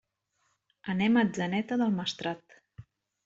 Anem a Atzeneta del Maestrat.